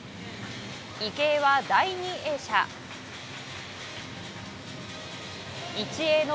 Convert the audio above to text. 池江は第２泳者。